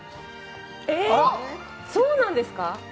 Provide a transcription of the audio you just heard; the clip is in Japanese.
えーっ、そうなんですか？